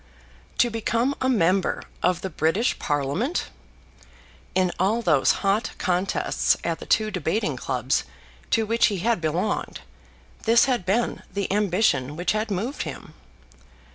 To become a member of the British Parliament! In all those hot contests at the two debating clubs to which he had belonged, this had been the ambition which had moved him.